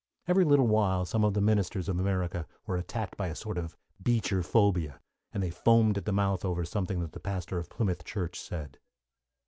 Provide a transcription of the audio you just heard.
Every little while some of the ministers of America were attacked by a sort of Beecher phobia, and they foamed at the mouth over something that the pastor of Plymouth Church said.